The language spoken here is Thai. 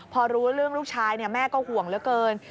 พอรู้เรื่องลูกชายแม่ก็ห่วงเหลือเกิน